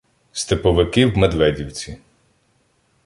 Степовики в Медведівці